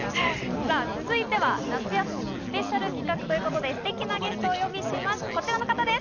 さぁ、続いては夏休みのスペシャル企画ということでステキなゲストをお呼びします。